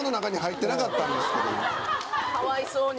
かわいそうに。